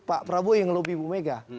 pak prabowo yang lobby bu mega